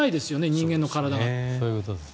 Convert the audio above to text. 人間の体が。